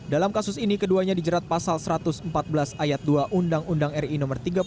dalam kasus ini keduanya dijerat pasal satu ratus empat belas ayat dua undang undang ri no tiga puluh empat